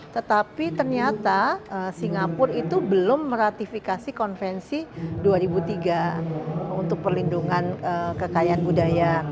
tetapi ternyata singapura itu belum meratifikasi konvensi dua ribu tiga untuk perlindungan kekayaan budaya